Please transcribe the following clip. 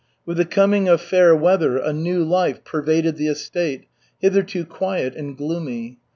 With the coming of fair weather a new life pervaded the estate, hitherto quiet and gloomy.